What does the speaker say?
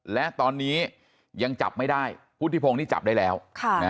และตอนนี้ยังจับไม่ได้พุทธิพงศ์นี่จับได้แล้ว